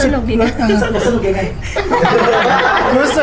ชีวิตแหล่ะ